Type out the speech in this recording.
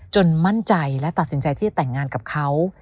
มั่นใจและตัดสินใจที่จะแต่งงานกับเขา